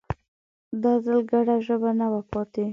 دا ځل ګډه ژبه نه وه پاتې